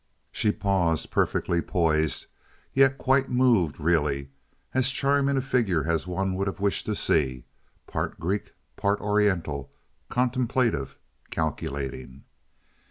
She paused, perfectly poised, yet quite moved really, as charming a figure as one would have wished to see—part Greek, part Oriental—contemplative, calculating.